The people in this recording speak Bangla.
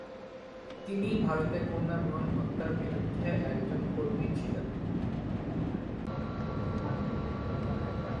তিনি ভারতে কন্যা ভ্রূণ হত্যার বিরুদ্ধে একজন কর্মী ছিলেন।